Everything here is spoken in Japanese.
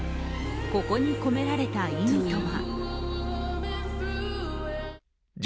ここに込められた意味とは？